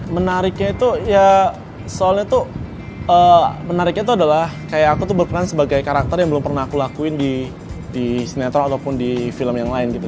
menariknya itu ya soalnya tuh menariknya tuh adalah kayak aku tuh berperan sebagai karakter yang belum pernah aku lakuin di sinetron ataupun di film yang lain gitu